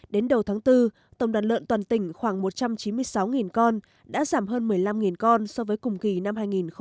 đến đầu tháng bốn tổng đàn lợn toàn tỉnh khoảng một trăm chín mươi sáu con đã giảm hơn một mươi năm con so với cùng kỳ năm hai nghìn một mươi tám